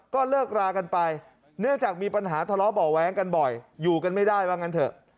ก็เลิกรากันไปเนื่องจากมีปัญหาทะเลาะเบาะแว้งกันบ่อยอยู่กันไม่ได้ว่างั้นเถอะ